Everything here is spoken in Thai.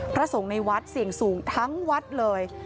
พระสงฆ์ในวัดเสี่ยงสูงทั้งวัดเลย